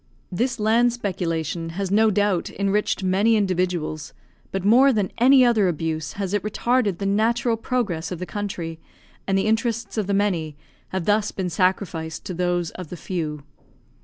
This land speculation has no doubt enriched many individuals, but more than any other abuse has it retarded the natural progress of the country, and the interests of the many have thus been sacrificed to those of the few.